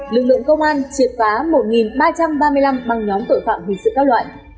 lực lượng công an triệt phá một ba trăm ba mươi năm băng nhóm tội phạm hình sự các loại